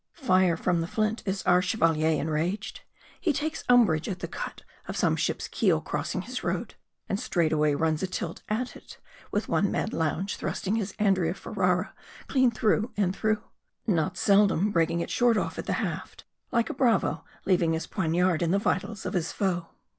Fire from the flint is our Chevalier enraged. He takes umbrage at the cut of some ship's keel crossing his road ; and straightway runs a tilt at it ; with one mad lounge thrusting his Andrea Ferrara clean through and through ; not seldom breaking it short off at the haft, like a bravo leaving his poignard in the vitals of his foe.